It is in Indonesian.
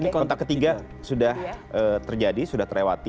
ini kontak ketiga sudah terjadi sudah terlewati